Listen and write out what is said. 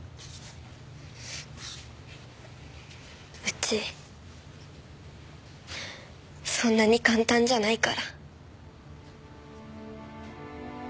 うちそんなに簡単じゃないから。